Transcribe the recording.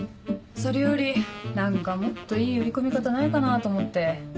それより何かもっといい売り込み方ないかなと思って。